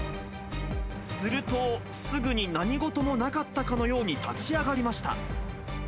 すると、すぐに何事もなかったかのように立ち上がりました。